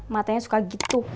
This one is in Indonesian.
matanya suka gitu